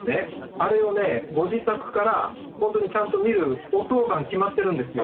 あれをねご自宅から本当にちゃんと見るお当番決まってるんですよ。